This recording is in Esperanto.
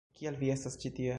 Kial vi estas ĉi tie?